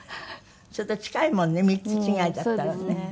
それと近いもんね３つ違いだったらね。